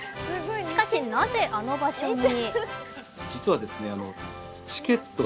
しかし、なぜあの場所に？